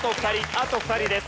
あと２人です。